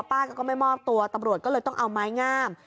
ป้าก็ไม่มอบตัวตำรวจก็เลยต้องเอาไม้งาม